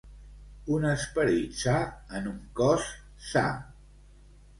Un esperit sa en un cos sa.